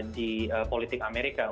di politik amerika